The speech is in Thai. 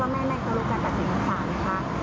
เขารู้ทุกสิ่งทุกอย่าง